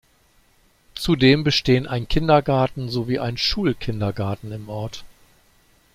Zudem bestehen ein Kindergarten sowie ein Schulkindergarten im Ort.